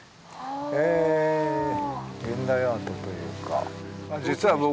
へえ現代アートというか。